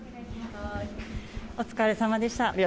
お疲れさまでした。